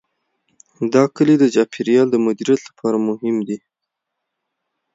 دا کلي د چاپیریال د مدیریت لپاره مهم دي.